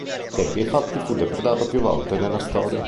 Il tempio infatti fu depredato più volte nella storia.